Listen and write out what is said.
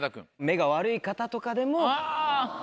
目が悪い方とかでも。